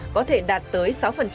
có thể đạt tới sáu